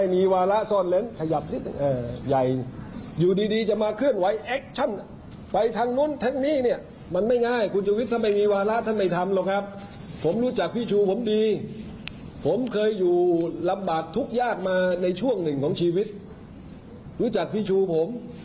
ในช่วงหนึ่งของชีวิตรู้จักพี่ชูผม